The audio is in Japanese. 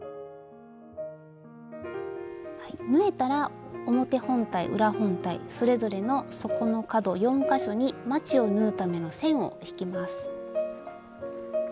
縫えたら表本体裏本体それぞれの底の角４か所にまちを縫うための線を引きます。